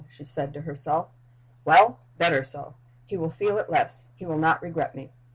she said to herself. "Well! better so. He will feel it less he will not regret me."